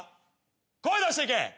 声出していけ。